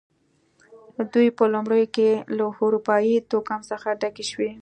دوی په لومړیو کې له اروپايي توکم څخه ډکې شوې.